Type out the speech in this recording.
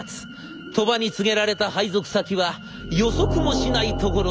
鳥羽に告げられた配属先は予測もしないところでございました。